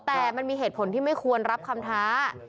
แต่มันมีเหตุผลที่ไม่ควรรับคำท้า